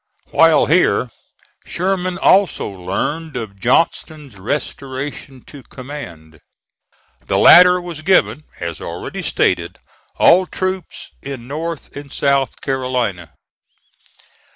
While here, Sherman also learned of Johnston's restoration to command. The latter was given, as already stated, all troops in North and South Carolina.